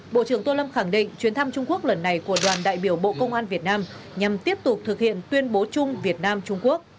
bộ trưởng tô lâm khẳng định chuyến thăm trung quốc lần này của đoàn đại biểu bộ công an việt nam nhằm tiếp tục thực hiện tuyên bố chung việt nam trung quốc